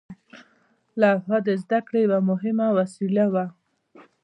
لوحه د زده کړې یوه مهمه وسیله وه.